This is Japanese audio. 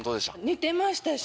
似てましたし。